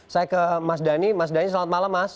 saya ke mas dhani mas dhani selamat malam mas